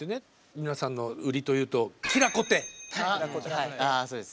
皆さんの売りというとああそうです。